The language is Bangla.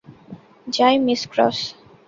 যাই, মিস ক্রস।